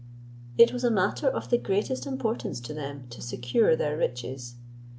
It was a matter of the greatest importance to them to secure their riches.